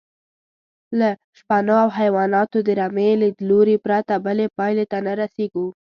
له شپنو او حیواناتو د رمې لیدلوري پرته بلې پایلې ته نه رسېږو.